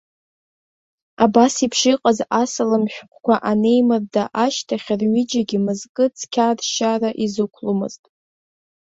Абасеиԥш иҟаз асалам шәҟәқәа анеимырда ашьҭахь, рҩыџьагьы мызкы цқьа ршьра изықәломызт.